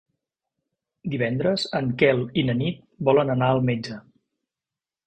Divendres en Quel i na Nit volen anar al metge.